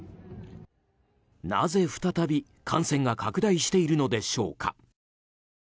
なぜ再び、感染が拡大しているのでしょうか。